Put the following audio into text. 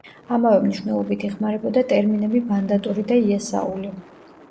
ამავე მნიშვნელობით იხმარებოდა ტერმინები მანდატური და იასაული.